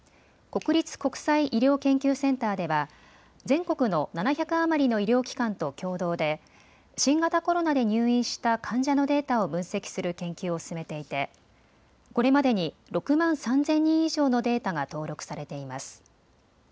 国立国際医療研究センターでは全国の７００余りの医療機関と共同で新型コロナで入院した患者のデータを分析する研究を進めていてこれまでに６万３０００人以上のデータが登録されています。